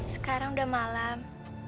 sekarang udah malam